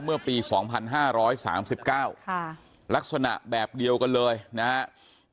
เมื่อปี๒๕๓๙ลักษณะแบบเดียวกันเลยนะครับ